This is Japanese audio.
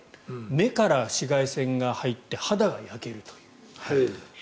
目から紫外線が入って肌が焼けるという。